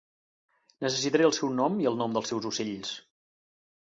Necessitaré el seu nom i el nom dels seus ocells.